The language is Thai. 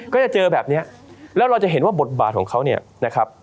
ก็จะเจอแบบนี้แล้วเราจะเห็นว่าบทบาทของเขาเนี่ยนะครับ